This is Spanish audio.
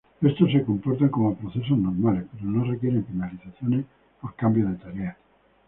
Éstos se comportan como procesos normales, pero no requieren penalizaciones por cambio de tarea.